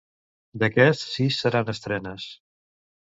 D'aquests, sis seran estrenes.